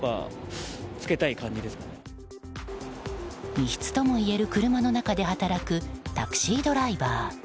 密室ともいえる車の中で働くタクシードライバー。